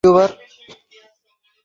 কলিকাতা কুমারটুলী হইতে প্রতিমা আনা হইল।